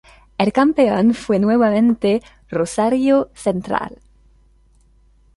El campeón fue nuevamente Rosario Central.